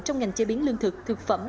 trong ngành chế biến lương thực thực phẩm